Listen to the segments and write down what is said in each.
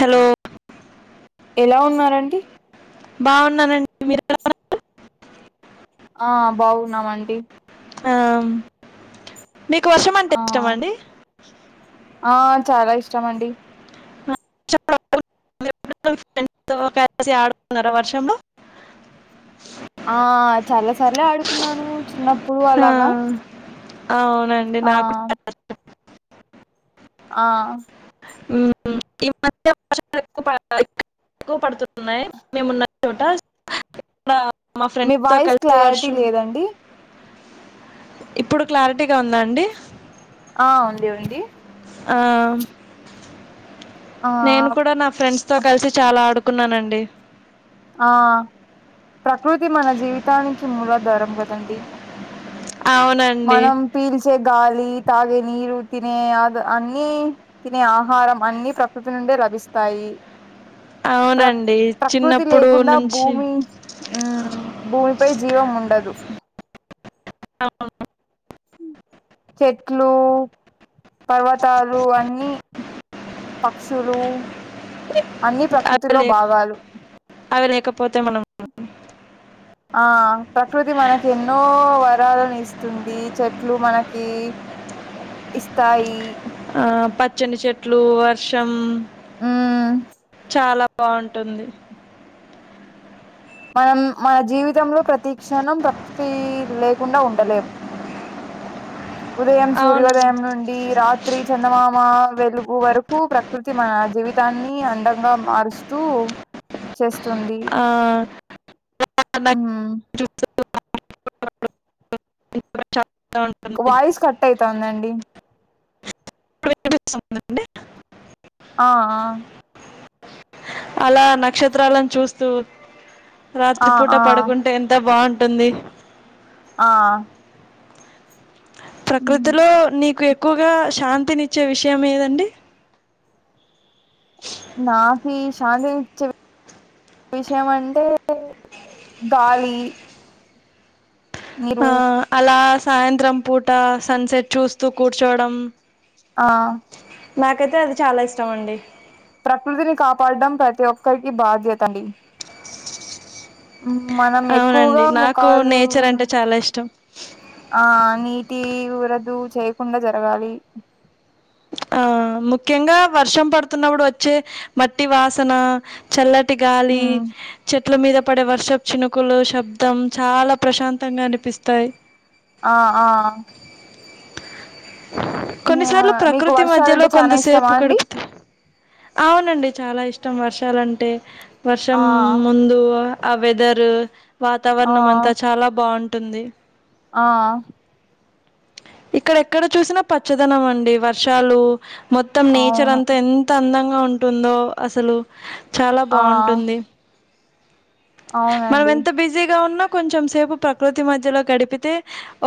Hello ఎలా ఉన్నారండి బాగున్నానండి మీరు ఎలా ఉన్నారు ఆ బాగున్నామండి ఆ మీకు వర్షం అంటే ఆ ఇష్టమా అండి ఆ చాలా ఇష్టం అండి మీరూ ఎప్పుడన్న ఆడున్నార వర్షంలో ఆ చాలా సార్లే ఆడుకున్నాను చిన్నప్పు ప్పుడు ఆ, అలాగా అవునండి ఆ నాకు ఆ మ్మ్ ఈ మధ్య వర్షాలు ఎక్కు ఎక్కువ పడుతున్నాయి మేమున్న చోట ఇక్కడ మా మీ ఫ్రెండ్స్తో వాయిస్ కలిసి క్లారిటీ వర్షం లేదండి ఇప్పుడు క్లారిటీగా ఉందా అండి. ఆ ఉంది ఉంది. ఆ, ఆ నేను కూడ నా ఫ్రెండ్స్ తో కలిసి చాలా ఆడుకు కున్నానండి. ఆ ప్రకృతి మన జీవితానికి మూలధరం కదండి అవునండి మనం పీల్చే గాలి తాగే నీరు తినే అ అన్ని తినే ఆహారం అన్ని ప్రకృతి నుండే లభిస్తాయి. ప్ర అవునండి ప్రకృతి చిన్నప్పుడు లేకుండా నుంచి భూమి భూమిపై జీవం ఉండదు అవును చెట్లు పర్వతాలు అన్నీ పక్షులు అన్ని ప్రకృతిలో అదే భాగాలు అవి లేకపోతే మనం ఆ ప్రకృతి మనకి ఎన్నో వరాలను ఇస్తుంది చెట్లు మనకి ఇస్తాయి. ఆ పచ్చని చెట్లు వర్షం ఊ చాలా బాగుంటుంది మనం మన జీవితంలో ప్రతీ క్షణం ప్రకృతి లేకుండా ఉండలేము ఉదయం అవును సూర్యోదయం నుండి రాత్రి చందమామ వెలుగు వరకు ప్రకృతి మన జీవితాన్ని అందంగా మారుస్తూ చేస్ ఆ హూ చన్ వాయిస్ కట్ అయితాందండి. ఇప్పుడు వినిపిస్తుందా అండి. ఆ అలా నక్షత్రాలను చూస్తూ ఆ రాత్రిపూట ఆ ఆ పడుకుంటే ఎంత బాగు ట్టుంది ఆ ప్రకృతిలో నీకు ఎ క్కువగా శాంతినిచ్చే విషయం ఏదండి నాకి శాంతి ఇచ్చే విషయం అంటే గాలి నీరు ఆ అలా సాయంత్రం పూట సన్సెట్ చూస్తూ కూర్చోడం ఆ నాకైతే అది చాలా ఇష్టం అండి ప్రకృతిని కాపాడం ప్రతి ఒక్కరికి బాధ్యత అండి మనం అవునండి ఎక్కువగా నాకు ముఖాలు నేచర్ అంటే చాలా ఇష్టం ఆ నీ టి వరదు చేయకుండా జరగాలి ఆ ముఖ్యంగా వర్షం పడుతున్నప్పుడు వచ్చే మట్టి వాసన చల్ల టి గాల ఉమ్ చె చెట్ల మీద పడే వర్షపు చినుకులు శబ్దం చాలా ప్రశాంతంగా అనిపిస్తాయి ఆ ఆ కొన్నిసార్లు యాహ్! మీకు ప్రకృతి మధ్యలో వర్షాలంటే కొంత చానా ఇష్టమా సేపు అండి గడుపుత అవునండి చాలా ఇష్టం వర్షాలంటై వర్షం ఆ ముందు ఆ వెర్థెర్ ఆ వాతావరణం అంతా చాలా బాగు ఉంటుంది ఆ ఇక్కడ ఎక్కడ చూసినా పచ్చదనం అండి వా శాలు మొత్తం నేచర్ అవును అంతా ఎంత అందంగా ఉంటుందో అసలు చాలా ఆ బాగుంటుంది మనం అవునండి ఎంత బిజీగా ఉన్నా కొంచెం సేపు ప్రకృతి మధ్యలో గడిపితే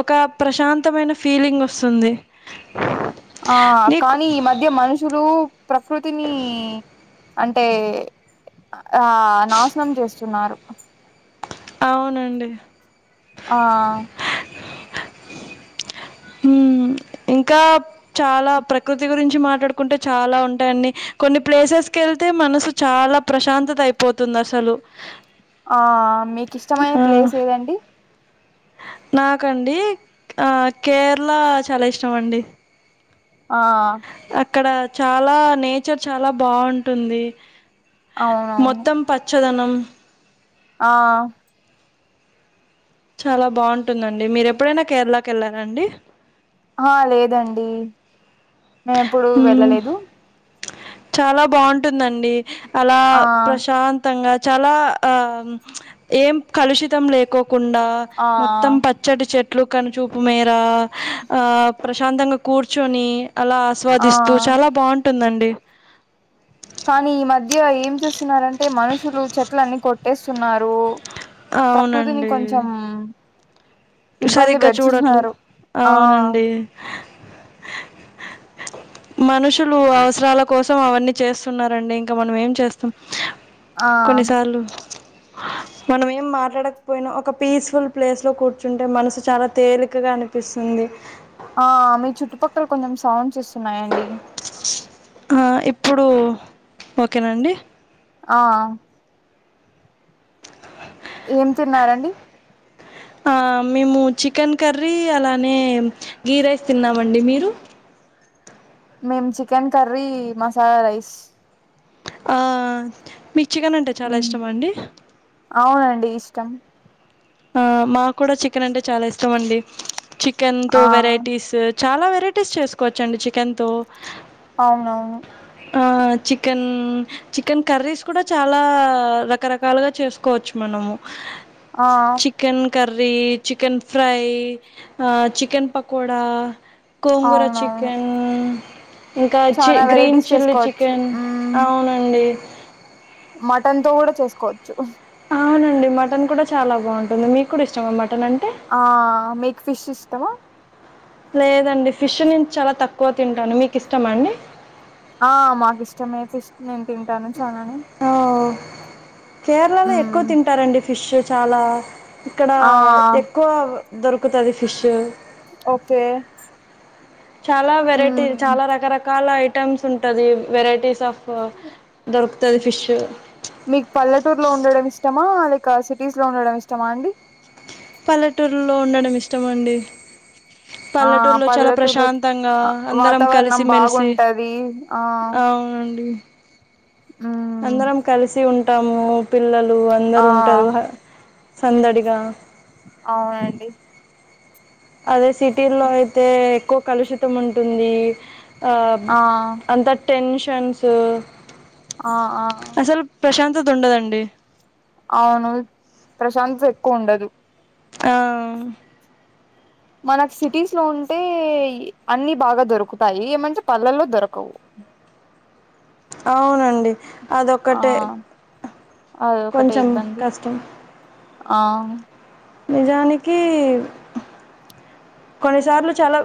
ఒక ప్రశాంతమైన ఫీలింగ్ వస్తుంది ఆ నీకు కానీ ఈ మధ్య మనుషులు ప్రకృతిని అంటే ఆ నాశనం చేస్తున్నారు అవునండి ఆ హుమ్ ఇంకా చాలా ప్రకృతి గురించి మాట్లాడుకుంటే చాలా ఉంటాయండి కొన్ని ప్లేసెస్ కెళ్తే మనసు చాలా ప్రశాంతత అయిపోతుంది అసలు ఆ మీకు ఇష్టమైన ప్లేస్ ఏదండి నాకండి ఆ కేరళ చాలా ఇష్టం అండి ఆ అక్కడ చాలా నేచర్ చాలా బావుంటుంది అవునవును మొత్తం పచ్చదనం ఆ చాలా బావుంటుందండి మీరు ఎప్పుడైనా కేరళకి ఎళ్ళారండి ఆ లేదండి మేము ఎప్పుడూ హ్మ్. వెళ్ళలేదు చాలా బావుంటుందండి అలా ఆ ప్రశాంతంగా చాలా ఆమ్ ఏం కలుషితం లేకో కుండా ఆ మొత్తం పచ్చటి చెట్ అట్లు కనుచూపు మేర ఆ ప్రశాంతంగా కూర్చొని అలా ఆ ఆస్వాదిస్తూ చాలా బావుంట్ ఉంటుందండి కానీ ఈ మధ్య ఏం చేస్తున్నారంటే మనుషులు చెట్లన్ని కొట్టేస్తున్నారు ప్రకృతిని అవునండి. కొంచెం ఇబ్బంది సరిగ్గా చూడట్లే పెడుతున్నారు ఆ అవునండి మనుషులు అవసరాల కోసం అవన్నీ చేస్తున్నరండి ఇంకా మనం ఏం చేస్తాం ఆ కొన్నిసార్లు మనం ఏం మాట్లాడకపోయిన ఒక పీస్ఫుల్ ప్లేస్ లో కూర్చుంటే మనసు చాలా తేలికగా అనిపిస్తుంది ఆ మీ చుట్టుపక్కల కొంచెం సౌండ్స్ వస్తున్నాయండి ఆ ఇప్పుడు ఓకేనండి ఆ ఏం తిన్నారండి ఆ మేము చికెన్ కర్రీ అలానే గీ రైస్ తిన్నామండి మీరు మేము చికెన్ కర్రీ మసాల రైస్ ఆ మి చికెన్ అంటే చాలా ఉమ్ ఇష్టమ అండి తం ఆ మా కూడ చికెన్ అంటే చాలా ఇష్టం అండి చికెన్తో ఆ వేరైటీస్ చాలా వెరైటీస్ చేసుకోవచ్చండి చికెన్తో అవునా ఆచికెన్ చికెన్ కర్రీస్ కూడా చాలా రకరకాలుగా చేసుకోవచ్చు మనము ఆ chicken curry chicken fry chicken pakoda gongura అవునవును చికెన్ ఇంకా చి చానా గ్రీన్ వెరైటీస్ చిల్లీ చేసుకోవచ్చు చికెన్ ఉమ్ అవునండి మటన్ తో కూడా చేసుకోవచ్చు అవునండి మటన్ కూడా చాలా బాగుంటుంది మీకు కూడా ఇష్టం మటన్ అంటే తమ లేదండి ఫిష్ నుంచి చాలా తక్కువ తింటాను మీకు ఇష్టమ అండి ఆ మాకు ఇష్టమేతే ఇష్టంగ తింటాను చాలాని ఆ కేరళలో ఎక్కువ ఉమ్ తింటారండి ఫిష్ చాలా ఇక్కడ ఆ ఎక్కువ దొరుకుతది ఫిష్ ఓకే చాలా వెరైటీ ఉమ్ చాలా రకరకాల ఐట ఐటమ్స్ ఉంటది వెరైటీస్ ఆఫ్ ఇ దొరుకుతుది ఫిషు మాలైక సిటీస్ లో ఉండడం ఇష్టమా అండి పల్లెటూరులో ఉండడం ఇష్టమ అండి ఆ పల్లెటూరులో చాలా పల్లెటూరులో ప్రశాంతంగా అందరం వాతావరణం కలిసిమెలిసి బాగుంటది ఆ అవునండి ఉమ్ అందరం కలిసి ఉంట అంటాము పిల్లల్ ఉ అందరు ఆ ఉంటారు సందడిగా అవునండి అదే సిటీలో అయితే ఎక్కువ కలుషితం ఉంటుంది ఆ అంత టెన్ష ఫ్రెండ్స్ ఆ ఆ త ఉండదండి అవును ప్రశాంస ఎక్కువ ఉండదు ఆ మనకు సిటీస్ లో ఉంటే అన్ని బాగా దొరుకుతాయి ఏమంచి పలల్లో దొరకవు అవునండి ఆ అదొకటే అది ఒకటే కొంచెం ఇబ్బంది కష్టం ఆ. నిజానికీ. కొనీసార్లు. చాలా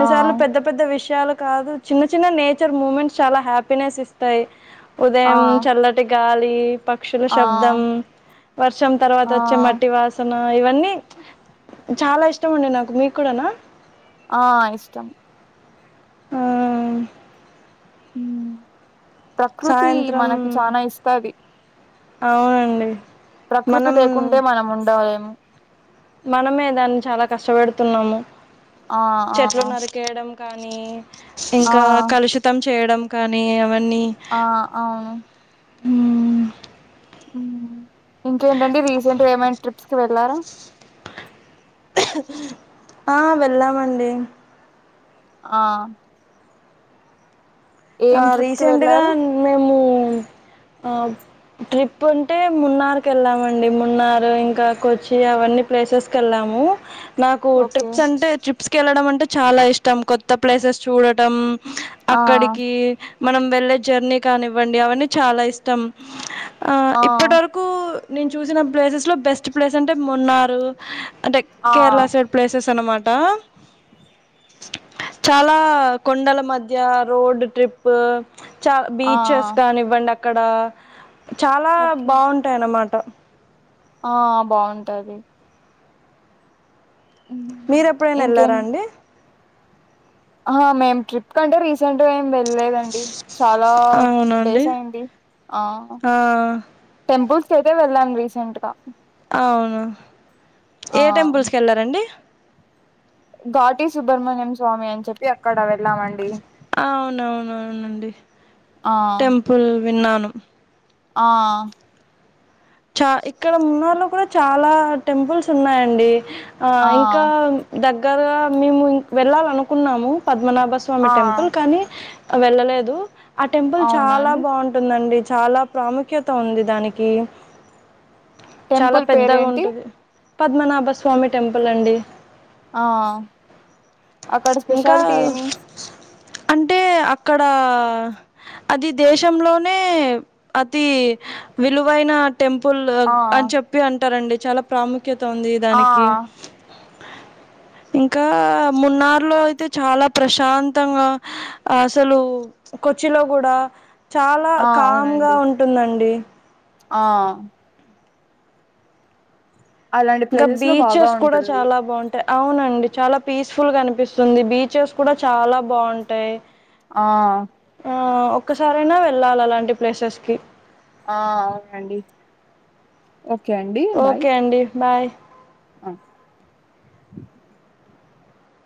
ఆ పెద్ద పెద్ద విష. త్యాలు కాదు చిన్న చిన్న నేచర్ మూమెంట్స్ చాలా హ్యాపీనెస్ ఇస్తాయి. ఆ ఉదయం చల్లటి గాలి. ఏప్. పక్షుల ఆ శబ్దం, వర్షం తర్వాత ఆ వచ్చే మట్టి వాసన. అ ఇవన్నీ చ్, చాలా ఇష్టం అండి నాకు మీ. ఇక్కడనా. ఆ ఇష్టం. ఊమ్. ఉ. ప్రకృతి సాయంత్రం మనకి చానా ఇస్తాది. అవునండి. ప్రకృతి మనం లేకుంటే మనం ఉండాలి. ఆ. మనమే దాన్ని చాలా కష్టపెడుతున్నాము. ఆ ఆ చెట్లు నరికేయడం. కానీ. ఆ ఇంకా కలుషితం. చేయడం కానీ. ఆ అవును. ఉమ్. ఉమ్. ఇంకేంటడి రీసెంట్ గ ఏమైనా ట్రిప్స్. వెళ్ళార. ఆ వెళ్ళామండి. ఆ. ఏం ఆ ట్రిప్ కి రీసెంట్ గ వెళ్ళారు మేము. ఉ అ ట్రిప్పు అంటే మున్నార్కి వెళ్ళామండి మున్నార్ ఇంకా కొచ్చి అవన్నీ ప్లేసెస్కి వెళ్ళాము. నాకు ఓకే ట్రిప్స్ అంటే ట్రిప్. ట్రీప్స్కి వెళ్ళడం అంటే చాలా ఇష్టం కొత్త ప్లేసెస్ చూడటం. ఆ. అక్కడికి మనం వెళ్ళే జర్నీ కానివ్వండి అవన్నీ చాలా ఇష్టం. అ ఆ ఇప్పటివరకూ. నేను చూసిన ప్లేసెస్లో బెస్ట్ ప్లేస్ అంటే మొన్నారు. అంటే ఆ కేరళ సైడ్ ప్లేసెస్ అనమాట ట చాలా కొండల మధ్య రోడ్ ట్రిప్ చ ఆ బీచెస్ కాగానివ్వండి అక్కడ చాలా ఓకే బాగుంటాయి అన్నమాట ఆ బాగుంటది హ్మ్. మీర ఎప్పుడైనా వెళ్లారా అండి మేమ్ ట్రిప్ కంటే రీసెంట్ గా ఏం లేదండి చాలా అవునండి డేస్ అయింది ఆ టెంపుల్స్ తే వెళ్ళాను రీసెంట్ గా అవున ఆ ఏ టెంపుల్స్ కి వెళ్లారండి ఘాటి సుబ్రహ్మణ్యం స్వామి అని చెప్పి అక్కడ వెళ్ళామండి అవునవును అవునండి ఆ టెంపుల్ విన్నాను ఆ చా ఇక్కడ మన్నళ్లో కూడా చాలా టెంపుల్స్ ఉన్నాయండి ఆ ఇంకా దగ్గ దగ్గర మేముం వెళ్ళాలనుకున్నాము పద్మనాభ ప్ప స్వామి ఆ టెంపుల్ కానీ వెళ్ళలేదు ఆ టెంపుల్ అవునా చాలా అండి బాగుంటుందండి చాలా ప్రాముఖ్యత ఉంది దానికి చాలా టెంపుల్ పెద్దగా పేరేంటి ఉంటది. పద్మనాభ స్వామి టెంపుల్ అండి ఆ అక్కడ ఇంకా స్పెషాలిటీ ఏమి అంటే అక్కడ అది దేశంలోనే అతి విలువైన టెంపుల్ ఆ అని చెప్పి అంటారండి చాలా ప్రాముఖ్య ముఖ్యత ఉంది ఆ దానికి ఇంకా మున్నార్లో అయితే చాలా ప్రశాంతంగా అసలు కొచ్చిలో కూడా చాలా ఆ కామ్గా అవునండి ఉంటుందండి ఆ అలాంటి ఇంకా ప్లేసెస్ లో బాగా బీచెస్ కూడా ఉంటుంది చాలా బాగుంటాయి అవునండి చాలా పీస్ఫుల్ గా అనిపిస్తుంది బీచెస్ కూడా చాలా బాగుంటాయి ఆ ఆ, ఒక్కసారైనా వెళ్ళాలి అలాంటి ప్లేసెస్కిి ఆ అవునండి ఓకే ఓకే అండి బాయ్ అ